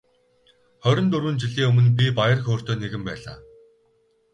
Хорин дөрвөн жилийн өмнө би баяр хөөртэй нэгэн байлаа.